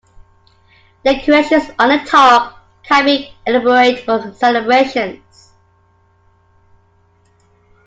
Decorations on the top can be elaborate for celebrations.